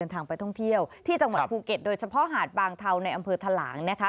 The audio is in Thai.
ทางไปท่องเที่ยวที่จังหวัดภูเก็ตโดยเฉพาะหาดบางเทาในอำเภอทะหลางนะคะ